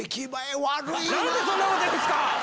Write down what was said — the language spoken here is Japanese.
何でそんなこと言うんすか！